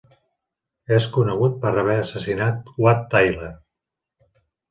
És conegut per haver assassinat Wat Tyler.